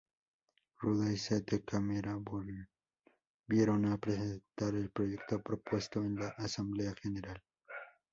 Ruda y Sette Câmara volvieron a presentar el proyecto propuesto en la Asamblea General.